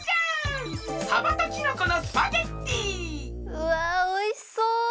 うわおいしそう！